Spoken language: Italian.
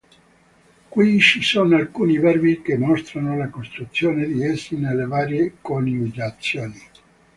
Qui ci sono alcuni verbi che mostrano la costruzione di essi nelle varie coniugazioni.